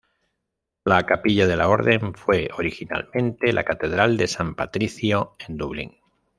La Capilla de la Orden fue originalmente la Catedral de San Patricio, en Dublín.